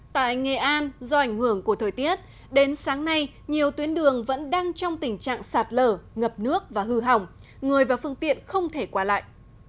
tại nghệ an do ảnh hưởng của thời tiết đến sáng nay nhiều tuyến đường vẫn đang trong tình trạng sạt lở ngập nước và hư hỏng người và phương tiện không thể qua lại